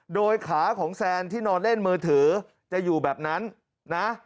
โดยขาของแซนที่นอนเล่นมือถือจะอยู่แบบนั้นนะ